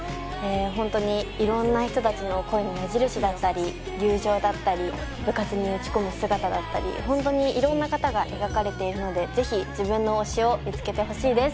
ホントに色んな人達の恋の矢印だったり友情だったり部活に打ち込む姿だったりホントに色んな方が描かれているのでぜひ自分の推しを見つけてほしいです